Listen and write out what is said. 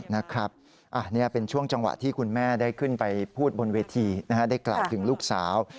นี่เป็นช่วงจังหวะที่คุณแม่ได้ขึ้นไปพูดบนเวทีได้กล่าวถึงลูกสาว